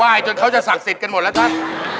ว่ายจนเค้าจะศักดิ์สิตกันหมดละท่าน